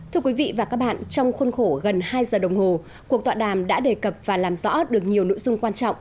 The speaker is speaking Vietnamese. thưa quý vị và các bạn trong khuôn khổ gần hai giờ đồng hồ cuộc tọa đàm đã đề cập và làm rõ được nhiều nội dung quan trọng